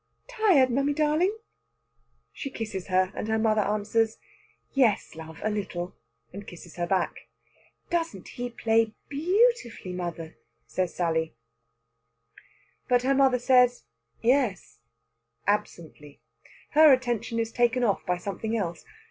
"Tired, mammy darling?" She kisses her, and her mother answers: "Yes, love, a little," and kisses her back. "Doesn't he play beautifully, mother?" says Sally. But her mother says "Yes" absently. Her attention is taken off by something else.